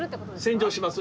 洗浄します。